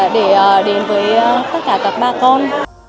để đến với tất cả các bà con